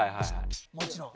もちろん。